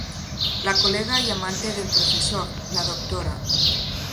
La colega y amante del profesor, la Dra.